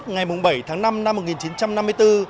ngày bảy tháng năm năm một nghìn chín trăm năm mươi bốn